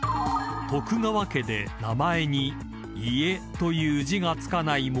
［徳川家で名前に「家」という字が付かない